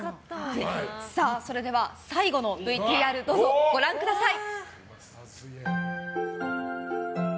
それでは、最後のＶＴＲどうぞご覧ください。